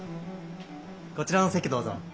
こちらの席どうぞ。